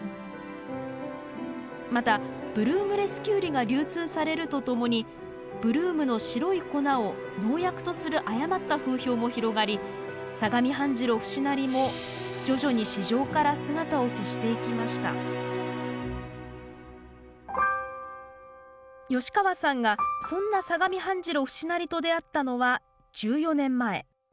またブルームレスキュウリが流通されるとともにブルームの白い粉を農薬とする誤った風評も広がり相模半白節成も徐々に市場から姿を消していきました吉川さんがそんな相模半白節成と出会ったのは１４年前。